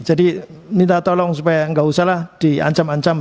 jadi minta tolong supaya enggak usah lah diancam ancam